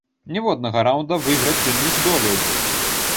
Ніводнага раўнда выйграць ён не здолеў.